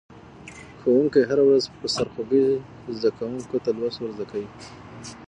ښوونکی هره ورځ په سرخوږي زده کونکو ته لوست ور زده کوي.